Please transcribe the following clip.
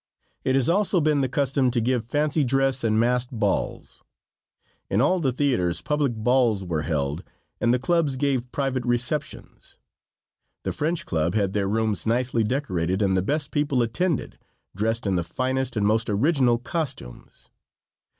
It has also been the custom to give fancy dress and masked balls. In all the theaters public balls were held and the clubs gave private receptions. The French Club had their rooms nicely decorated and the best people attended, dressed in the finest and most original costumes.